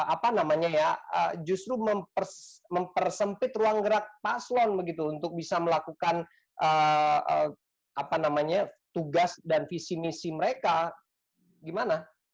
apa namanya ya justru mempersempit ruang gerak paslon begitu untuk bisa melakukan tugas dan visi misi mereka gimana